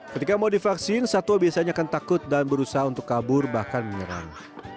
ketika mau divaksin satwa biasanya akan takut dan berusaha untuk kabur bahkan menyerang